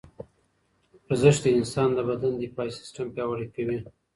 ورزش د انسان د بدن دفاعي سیستم پیاوړی کوي.